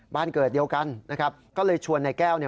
บ้านเกิดเดียวกันนะครับก็เลยชวนนายแก้ว